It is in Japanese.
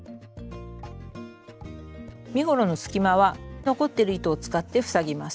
身ごろの隙間は残ってる糸を使って塞ぎます。